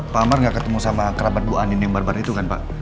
pak amar gak ketemu sama kerabat bu anin yang bar bar itu kan pak